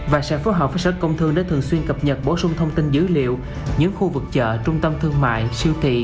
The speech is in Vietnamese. và sẽ phối hợp với sở công thương để thường xuyên cập nhật bổ sung thông tin dữ liệu những khu vực chợ trung tâm thương mại siêu thị